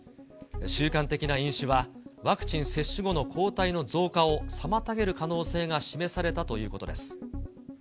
習慣的な飲酒は、ワクチン接種後の抗体の増加を妨げる可能性が示されたということです。